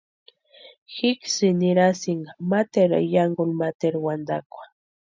Jíksïni nirasïnka ménteru ayankuni máteru wantakwa.